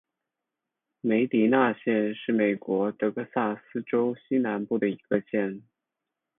梅迪纳县是美国德克萨斯州西南部的一个县。